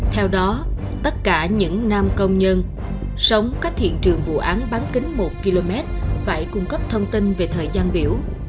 theo đó tất cả những nam công nhân sống cách hiện trường vụ án bán kính một km phải cung cấp thông tin về thời gian biểu